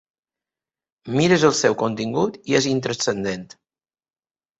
Mires el seu contingut i és intranscendent.